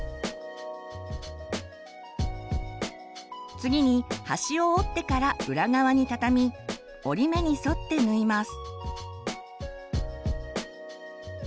次に端を折ってから裏側に畳み折り目に沿って縫います。